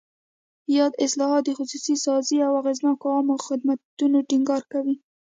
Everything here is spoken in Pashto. یاد اصلاحات د خصوصي سازۍ او اغېزناکو عامه خدمتونو ټینګار کوي.